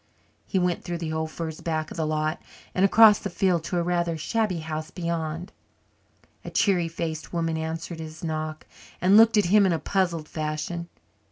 He went through the old firs back of the lot and across the field to a rather shabby house beyond. A cheery faced woman answered his knock and looked at him in a puzzled fashion.